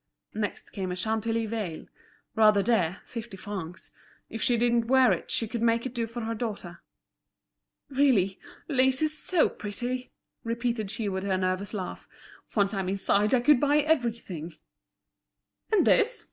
Next came a Chantilly veil: rather dear, fifty francs; if she didn't wear it she could make it do for her daughter. "Really, lace is so pretty!" repeated she with her nervous laugh. "Once I'm inside I could buy everything." "And this?"